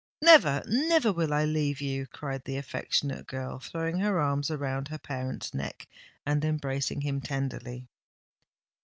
"Never, never will I leave you!" cried the affectionate girl, throwing her arms around her parent's neck, and embracing him tenderly.